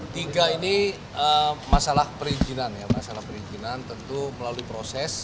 tiga ini masalah perizinan ya masalah perizinan tentu melalui proses